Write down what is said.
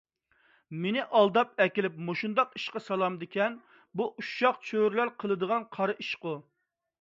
مېنى ئالداپ ئەكېلىپ مۇشۇنداق ئىشقا سالامدىكەن؟ بۇ ئۇششاق چۆرىلەر قىلىدىغان قارا ئىشقۇ!